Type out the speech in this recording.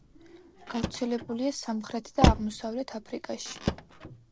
გავრცელებულია სამხრეთ და აღმოსავლეთ აფრიკაში.